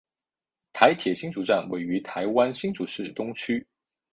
台铁新竹站位于台湾新竹市东区。